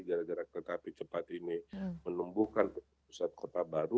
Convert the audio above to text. gara gara kereta api cepat ini menumbuhkan pusat kota baru